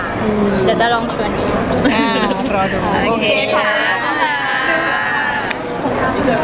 เดี๋ยวจะลองชวนนี้